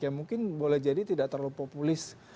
ya mungkin boleh jadi tidak terlalu populis